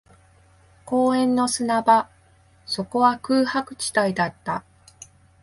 公園の砂場、そこは空白地帯だった